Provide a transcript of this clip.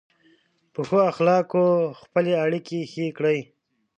په ښو اخلاقو خپلې اړیکې ښې کړئ.